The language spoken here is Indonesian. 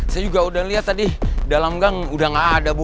saya juga udah lihat tadi dalam gang udah gak ada bu